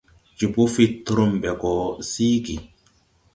Jobo fid trum ɓɛ gɔ síigì.